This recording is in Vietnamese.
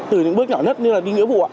từ những bước nhỏ nhất như là đi nghĩa vụ